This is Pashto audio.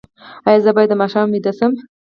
ایا زه باید د ماښام ویده شم؟